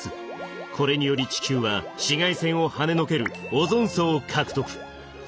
これにより地球は紫外線をはねのけるオゾン層を獲得。